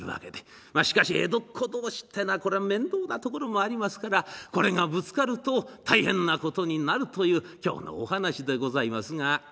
まあしかし江戸っ子同士ってのはこれは面倒なところもありますからこれがぶつかると大変なことになるという今日のお話でございますが。